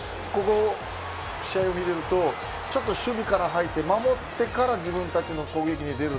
試合を見ていると守備から入って守ってから自分たちの攻撃に出る。